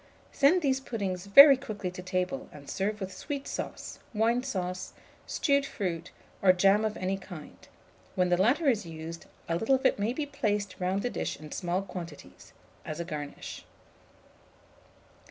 Send these puddings very quickly to table, and serve with sweet sauce, wine sauce, stewed fruit, or jam of any kind: when the latter is used, a little of it may be placed round the dish in small quantities, as a garnish.